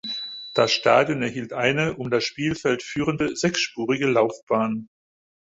Das Stadion erhielt eine um das Spielfeld führende sechsspurige Laufbahn.